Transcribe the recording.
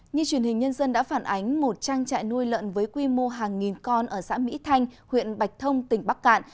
như truyền hình nhân dân đã phản ánh một trang trại nuôi lợn với quy mô hàng nghìn con ở xã mỹ thanh huyện bạch thông tỉnh bắc cạn